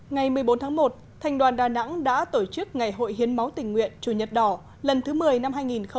ngày một mươi bốn tháng một thành đoàn đà nẵng đã tổ chức ngày hội hiến máu tình nguyện chủ nhật đỏ lần thứ một mươi năm hai nghìn hai mươi